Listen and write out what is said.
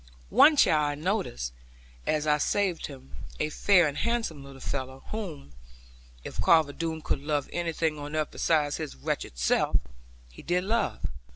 One child I noticed, as I saved him; a fair and handsome little fellow, whom (if Carver Doone could love anything on earth beside his wretched self) he did love.